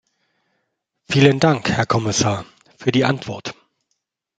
Vielen Dank, Herr Kommissar, für die Antwort.